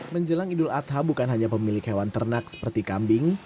menjelang idul adha bukan hanya pemilik hewan ternak seperti kambing